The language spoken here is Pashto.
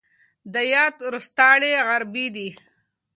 د يات روستاړی عربي دی.